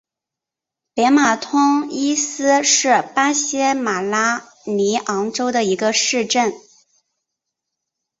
北马通伊斯是巴西马拉尼昂州的一个市镇。